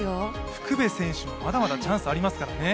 福部選手もまだまだチャンスありますからね。